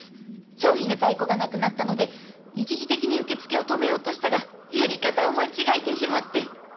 商品の在庫がなくなったので一時的に受け付けを止めようとしたらやり方を間違えてしまって。